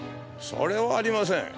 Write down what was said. それはありません。